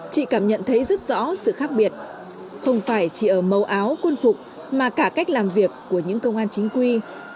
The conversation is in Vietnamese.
chị cảm nhận thấy rất rõ sự khác biệt không phải chỉ ở màu áo quân phục mà cả cách làm việc của những công an chính quy